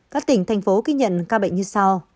các tỉnh thành phố ghi nhận ca bệnh như sau